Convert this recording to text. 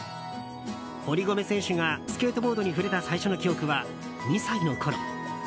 堀米選手がスケートボードに触れた最初の記憶は２歳のころ。